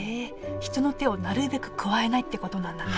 人の手をなるべく加えないってことなんだね